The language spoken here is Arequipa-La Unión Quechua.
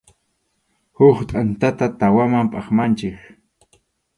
Huk tʼantata tawaman phatmanchik.